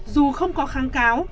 dù không có kháng cáo